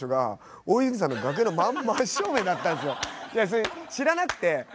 それ知らなくて。